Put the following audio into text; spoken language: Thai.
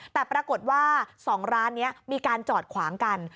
แต่ปรากฏว่า๒ร้านนี้มีการจอดขวางกัน